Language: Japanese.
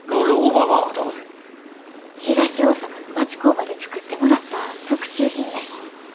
東大阪の町工場で作ってもらった特注品です。